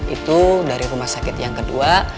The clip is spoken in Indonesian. itu dari rumah sakit yang kedua